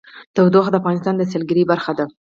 تودوخه د افغانستان د سیلګرۍ برخه ده.